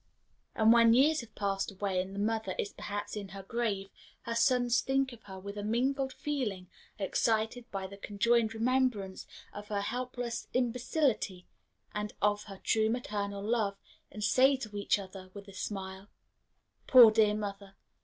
And when years have passed away, and the mother is perhaps in her grave, her sons think of her with a mingled feeling excited by the conjoined remembrance of her helpless imbecility and of her true maternal love, and say to each other, with a smile, "Poor dear mother!